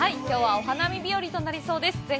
きょうはお花見日和となりそうです。